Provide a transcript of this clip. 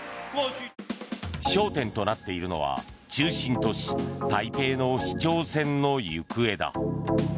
焦点となっているのは中心都市・台北の市長選の行方だ。